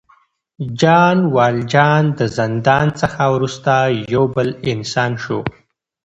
ژان والژان د زندان څخه وروسته یو بل انسان شو.